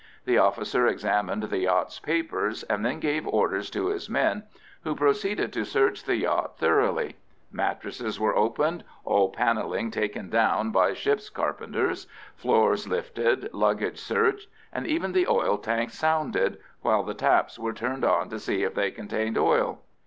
The officer examined the yacht's papers, and then gave orders to his men, who proceeded to search the yacht thoroughly: mattresses were opened, all panelling taken down by ship carpenters, floors lifted, luggage searched, and even the oil tanks sounded, while the taps were turned on to see if they contained oil.